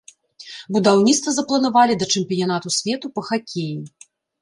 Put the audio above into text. Будаўніцтва запланавалі да чэмпіянату свету па хакеі.